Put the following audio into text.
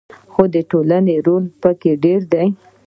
خو د ټولنې رول پکې ډیر دی.